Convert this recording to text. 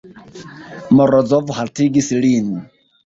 Morozov haltigis lin.